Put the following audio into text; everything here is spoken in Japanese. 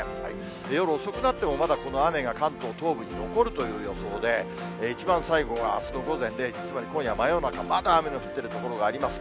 夜遅くなっても、まだこの雨が関東東部に残るという予想で、一番最後があすの午前０時、つまり今夜真夜中、まだ雨の降ってる所があります。